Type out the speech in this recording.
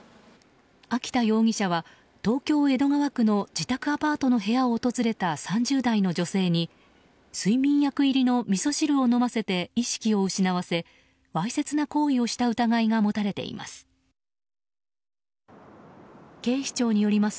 秋田容疑者は東京・江戸川区の自宅アパートの部屋を訪れた３０代の女性に睡眠薬入りのみそ汁を飲ませて意識を失わせわいせつな行為をした疑いが持たれています。